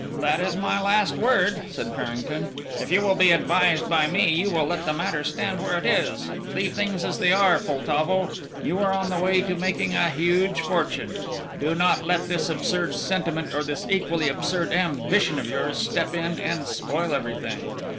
"That is my last word," said Farrington; "if you will be advised by me, you will let the matter stand where it is. Leave things as they are, Poltavo. You are on the way to making a huge fortune; do not let this absurd sentiment, or this equally absurd ambition of yours, step in and spoil everything."